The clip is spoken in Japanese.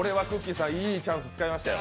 さん、いいチャンスつかみましたよ。